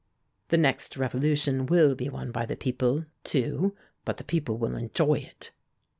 The next revolution will be won by the people, too, but the people will enjoy it!"